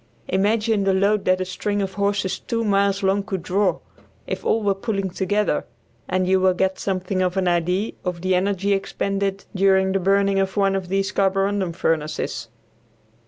Imagine the load that a string of horses two miles long could draw, if all were pulling together, and you will get something of an idea of the energy expended during the burning of one of these carborundum furnaces.